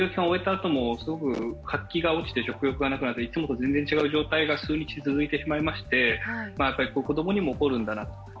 あともすごく活気が落ちて食欲がなくなっていつもと違う状態が数日続いてしまいまして子供にも起こるんだなと。